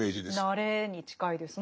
慣れに近いですね。